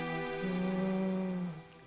うん。